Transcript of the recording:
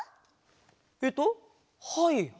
えっとはいはい。